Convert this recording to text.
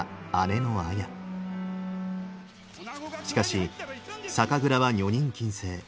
しかし酒蔵は女人禁制。